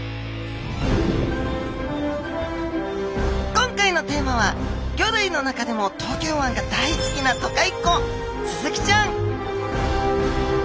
今回のテーマは魚類の中でも東京湾が大好きな都会っ子スズキちゃん